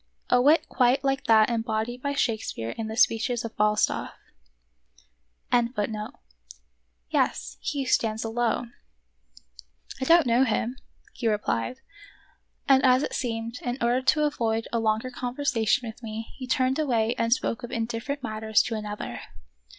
^ A wit quite like that embodied by Shakespeare in the speeches of F alstaff . 8 The Wonderful History " I don't know him," he replied ; and as it seemed, in order to avoid a longer conversation with me, he turned away and spoke of indifferent matters to another.